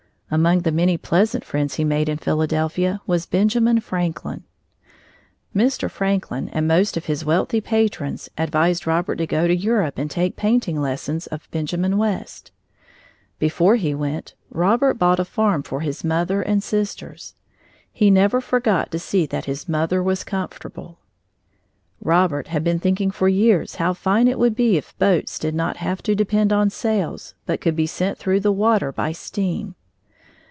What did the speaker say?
Among the many pleasant friends he made in Philadelphia was Benjamin Franklin. Mr. Franklin and most of his wealthy patrons advised Robert to go to Europe and take painting lessons of Benjamin West. Before he went, Robert bought a farm for his mother and sisters. He never forgot to see that his mother was comfortable. Robert had been thinking for years how fine it would be if boats did not have to depend on sails but could be sent through the water by steam.